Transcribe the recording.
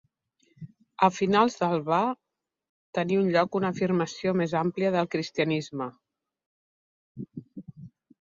A finals del va tenir lloc una afirmació més àmplia del cristianisme.